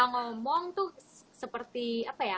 ngomong tuh seperti apa ya